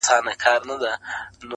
o پلار یې وکړه ورته ډېر نصیحتونه,